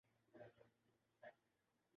منصوبوں کو عملی شکل دیتا ہوں